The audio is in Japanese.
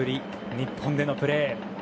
日本でのプレー。